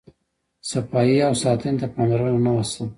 صفایي او ساتنې ته پاملرنه نه وه شوې.